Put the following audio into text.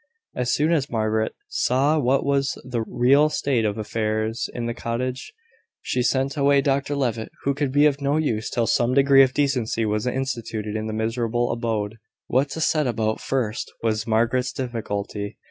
As soon as Margaret saw what was the real state of affairs in the cottage, she sent away Dr Levitt, who could be of no use till some degree of decency was instituted in the miserable abode. What to set about first was Margaret's difficulty.